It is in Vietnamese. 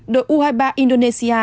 đội u hai mươi ba indonesia